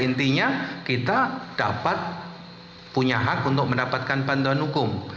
intinya kita dapat punya hak untuk mendapatkan bantuan hukum